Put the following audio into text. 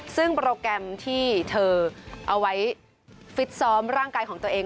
ซึ่งโปรแกรมที่เธอเอาไว้ฟิตซ้อมร่างกายของตัวเอง